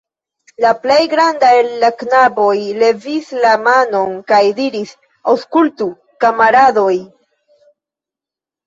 La plej granda el la knaboj levis la manon kaj diris: Aŭskultu, kamaradoj!